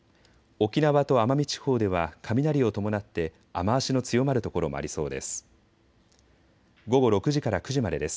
沖縄と奄美地方では雷を伴って雨足の強まる所もありそうです。